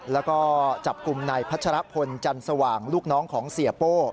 แล้วก็จับกลุ่มนายพัชรพลจันสว่างลูกน้องของเสียโป้